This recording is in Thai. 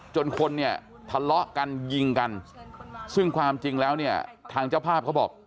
จนคนเนี่ยทะเลาะกันยิงกันซึ่งความจริงแล้วเนี่ยทางเจ้าภาพเขาบอก